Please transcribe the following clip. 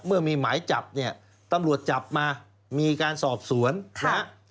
เมื่อมีหมายจับเนี่ยตำรวจจับมามีการสอบสวนนะฮะ